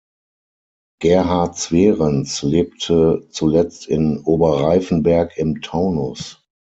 Gerhard Zwerenz lebte zuletzt in Oberreifenberg im Taunus.